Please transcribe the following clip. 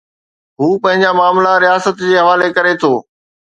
هو پنهنجا معاملا رياست جي حوالي ڪري ٿو.